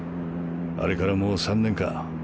あれからもう３年か。